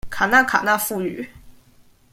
卡那卡那富語